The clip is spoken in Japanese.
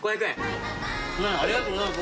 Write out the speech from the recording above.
ありがとうございます。